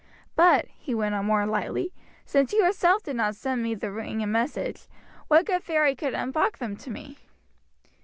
But," he went on more lightly, "since you yourself did not send me the ring and message, what good fairy can have brought them to me?"